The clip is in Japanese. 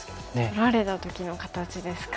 取られた時の形ですか。